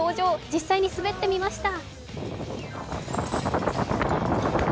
実際に滑ってみました。